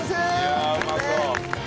いやあうまそう。